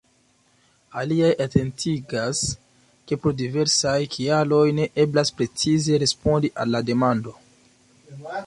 Aliaj atentigas, ke pro diversaj kialoj ne eblas precize respondi al la demando.